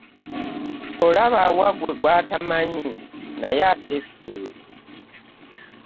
Olaba awa ggwe gw'atamanyi naye ate ffe.